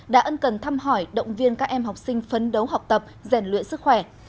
đã ân cần thăm hỏi động viên các em học sinh phấn đấu học tập rèn luyện sức khỏe